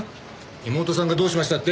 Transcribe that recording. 妹さんがどうしましたって？